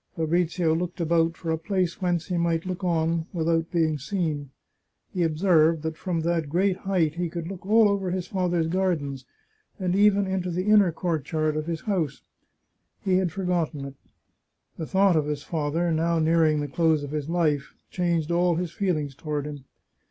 Fabrizio looked about for a place whence he might look on without being seen. He observed that from that great height he could look all over his father's gardens, and even into the inner courtyard of his house. He had for gotten it. The thought of his father, now nearing the close of his life, changed all his feelings toward him.